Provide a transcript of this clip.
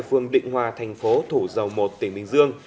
phường định hòa tp thủ dầu một tỉnh bình dương